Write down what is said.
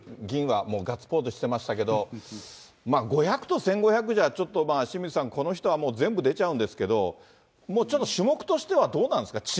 銀はもうガッツポーズしてましたけど、５００と１５００じゃちょっと清水さん、この人はもう全部出ちゃうんですけど、もうちょっと種目としては、どうなんですか？